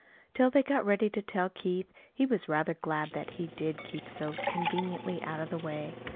Until they got ready to tell Keith, he was rather glad that he did keep so conveniently out of the way.